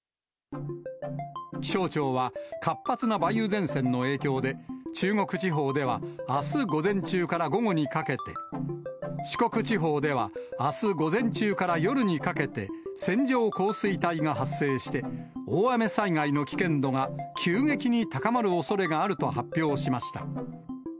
気象庁は、活発な梅雨前線の影響で、中国地方ではあす午前中から午後にかけて、四国地方ではあす午前中から夜にかけて、線状降水帯が発生して、大雨災害の危険度が急激に高まるおそれがあると発表しました。